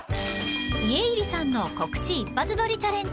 ［家入さんの告知一発撮りチャレンジ］